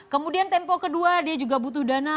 kemudian tempo kedua dia juga butuh dana